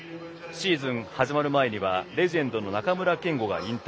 シーズン始まる前にはレジェンドの中村憲剛が引退。